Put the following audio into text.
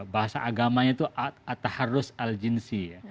bahasa agamanya itu ataharus aljinsi